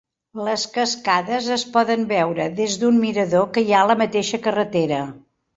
Les cascades es poden veure des d'un mirador que hi ha a la mateixa carretera.